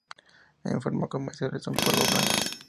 En forma comercial, es un polvo blanco.